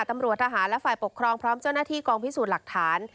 ตำรวจทหารและฝ่ายปกครองพร้อมเจ้าหน้าที่กองพิสูจน์หลักฐาน